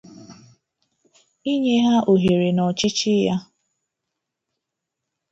inye ha ohere n'ọchịchị ya